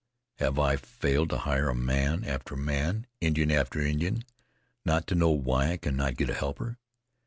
Have I failed to hire man after man, Indian after Indian, not to know why I cannot get a helper?